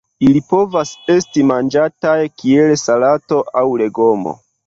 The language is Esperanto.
Ili povas esti manĝataj kiel salato aŭ legomo.